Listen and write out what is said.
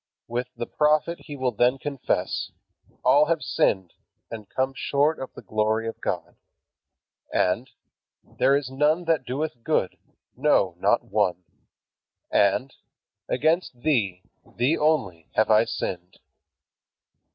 With the prophet he will then confess: "All have sinned, and come short of the glory of God." And, "there is none that doeth good, no, not one." And, "against thee, thee only, have I sinned."